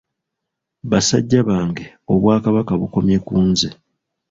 Basajja bange, obwakabaka bukomye ku nze!